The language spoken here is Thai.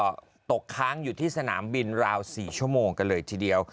ก็ตกค้างอยู่ที่สนามบินราว๔ชั่วโมงกันเลยทีเดียว